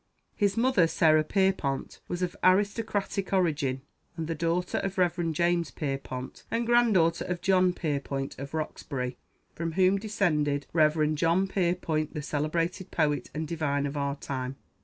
His mother, Sarah Pierrepont, was of aristocratic origin, and the daughter of Rev. James Pierrepont, and granddaughter of John Pierrepont, of Roxbury, from whom descended Rev. John Pierpont, the celebrated poet and divine of our own time.